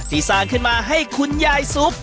สร้างขึ้นมาให้คุณยายซุป